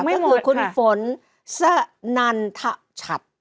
ก็คือคุณฝนสนันทชัด